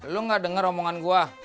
lu gakdengar omongan gua